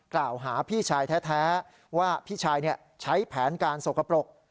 กล่าวหาพี่ชายแท้ว่าพี่ชายใช้แผนการสกปรก